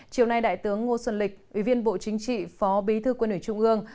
chiều nay đại tướng ngô xuân lịch ủy viên bộ chính trị phó bí thư quân ủy trung ương